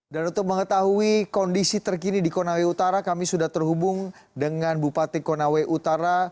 dan untuk mengetahui kondisi terkini di konawe utara kami sudah terhubung dengan bupati konawe utara